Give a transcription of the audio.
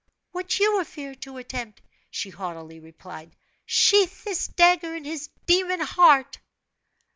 "What you feared to attempt," she haughtily replied; "Sheathe this dagger in his demon heart!"